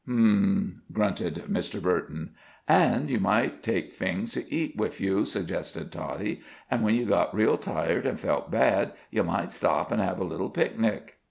"H'm!" grunted Mr. Burton. "An' you might take fings to eat wif you," suggested Toddie, "an' when you got real tired and felt bad, you might stop and have a little picnic.